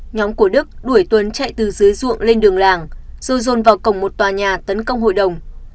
nhóm của đức đuổi tuấn chạy từ dưới ruộng lên đường làng rồi dồn vào cổng một tòa nhà tấn công hội đồng